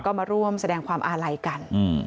ก็มาร่วมแสดงความอาลัยกัน